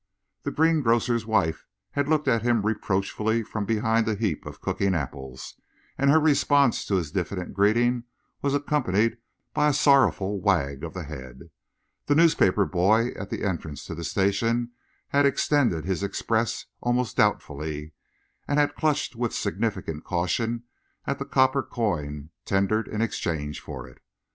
The greengrocer's wife had looked at him reproachfully from behind a heap of cooking apples, and her response to his diffident greeting was accompanied by a sorrowful wag of the head. The newspaper boy at the entrance to the station had extended his Express almost doubtfully and had clutched with significant caution at the copper coin tendered in exchange for it.